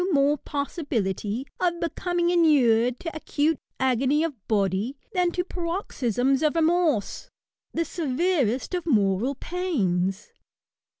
more possibility of becoming inured to acute ^onj of body than to paroxysms of remorse— the severest | of moral pains.